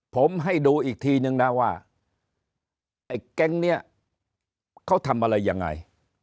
ผมให้ดูอีกทีนึงนะว่าไอ้แก๊งนี้เขาทำอะไรยังไง